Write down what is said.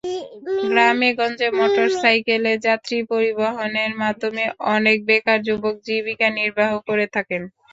গ্রামে–গঞ্জে মোটরসাইকেলে যাত্রী পরিবহনের মাধ্যমে অনেক বেকার যুবক জীবিকা নির্বাহ করে থাকেন।